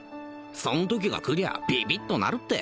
そんときが来りゃビビッとなるって